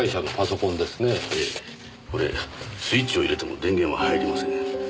これスイッチを入れても電源は入りません。